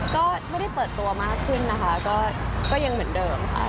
ก็ไม่ได้เปิดตัวมากขึ้นนะคะก็ยังเหมือนเดิมค่ะ